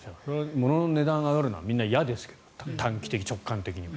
ものの値段が上がるのはみんな嫌ですけど短期的、直感的には。